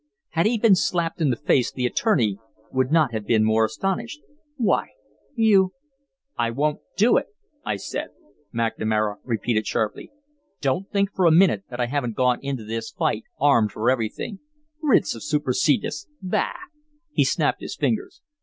Had he been slapped in the face the attorney would not have been more astonished. "Why you " "I won't do it, I said," McNamara repeated, sharply. "Don't think for a minute that I haven't gone into this fight armed for everything. Writs of supersedeas! Bah!" He snapped his fingers.